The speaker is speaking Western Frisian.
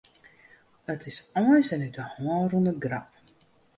It is eins in út 'e hân rûne grap.